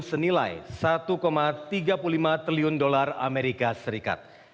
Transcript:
senilai satu tiga puluh lima triliun dolar amerika serikat